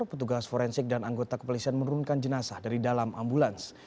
petugas forensik dan anggota kepolisian menurunkan jenazah dari dalam ambulans